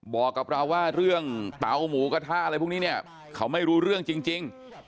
บอกกับเราว่าเรื่องเตาหมูกระทะอะไรพวกนี้เนี่ยเขาไม่รู้เรื่องจริง